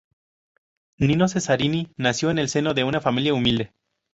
Nino Cesarini nació en el seno de una familia humilde.